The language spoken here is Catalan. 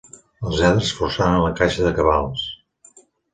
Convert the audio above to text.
Els lladres forçaren la caixa de cabals.